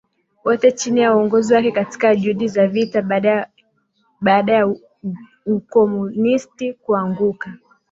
wote chini ya uongozi wake katika juhudi za vita Baada ya ukomunisti kuanguka